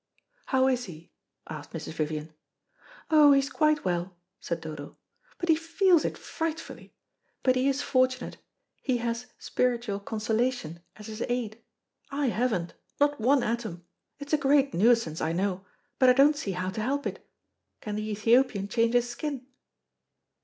"How is he?" asked Mrs. Vivian. "Oh, he's quite well," said Dodo, "but he feels it frightfully. But he is fortunate, he has spiritual consolation as his aid. I haven't, not one atom. It's a great nuisance, I know, but I don't see how to help it. Can the Ethiopian change his skin?"